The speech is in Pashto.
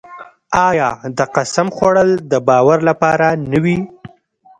آیا د قسم خوړل د باور لپاره نه وي؟